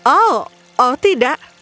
oh oh tidak